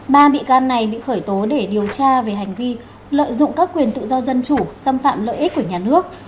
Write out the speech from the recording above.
ba bị can này bị khởi tố để điều tra về hành vi lợi dụng các quyền tự do dân chủ xâm phạm lợi ích của nhà nước